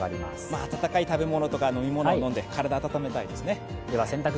温かい食べ物とか飲み物を飲んで体を暖めたいですね。